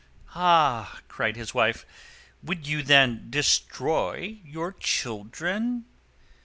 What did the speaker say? "Ah!" cried his Wife, "would you then destroy your children?"